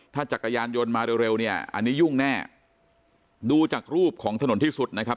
ถ้าจักรยานยนต์มาเร็วเนี่ยอันนี้ยุ่งแน่ดูจากรูปของถนนที่สุดนะครับ